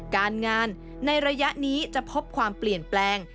การงานในระยะนี้จะพบความเปลี่ยนแปลง